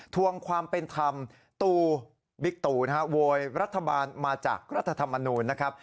ทวงความเป็นธรรมตู่บิ๊กตู่นะฮะโวยรัฐบาลมาจากรัฐธรรมนูญนะครับ